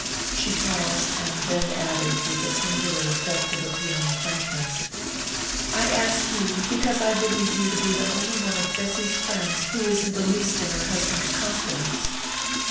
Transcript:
She paused, and then added, with a singular effect of appealing frankness: "I ask you, because I believe you to be the only one of Bessy's friends who is in the least in her husband's confidence."